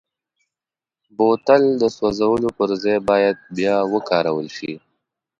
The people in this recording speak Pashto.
بوتل د سوزولو پر ځای باید بیا وکارول شي.